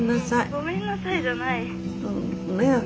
☎ごめんなさいじゃない。